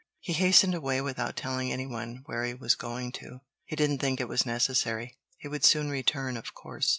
He hastened away without telling any one where he was going to. He didn't think it was necessary. He would soon return, of course.